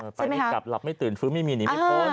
ตอนนี้กลับหลับไม่ตื่นฟื้นไม่มีหนีไม่พ้น